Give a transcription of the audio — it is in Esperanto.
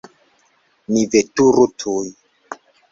Ni veturu tuj!